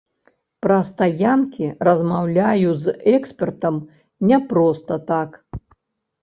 Пра стаянкі размаўляю з экспертам не проста так.